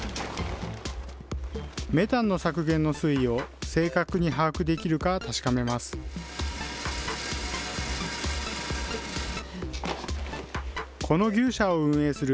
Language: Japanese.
メタンの削減の推移を正確に把握できるか確かめます。